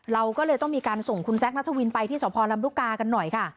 เราก็เลยต้องมีการส่งคุณแซคนัทวินไปที่สพลำลูกกากันหน่อยค่ะ